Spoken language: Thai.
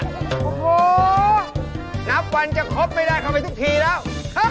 โอ้โหนับวันจะครบไม่ได้เข้าไปทุกทีแล้ว